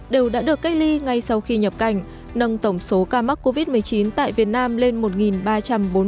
đều đã được cách ly ngay sau khi nhập cảnh nâng tổng số ca mắc covid một mươi chín tại việt nam lên một ba trăm bốn mươi ca